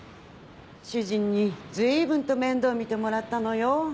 主人にずいぶんと面倒見てもらったのよ。